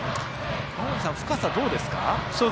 深さ、どうですか？